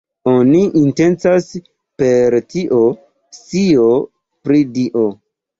Oni intencas per tio "scio pri Dio".